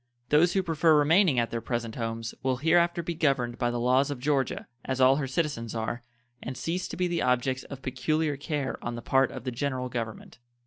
Those who prefer remaining at their present homes will hereafter be governed by the laws of Georgia, as all her citizens are, and cease to be the objects of peculiar care on the part of the General Government.